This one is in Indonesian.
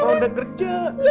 papa udah kerja